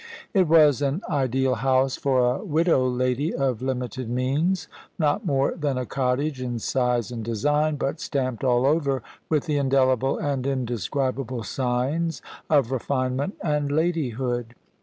It was an ideal house for a widow lady of limited means. Not more than a cottage in size and design, but stamped all over with the indelible and indescribable signs of refinement and ladyhood.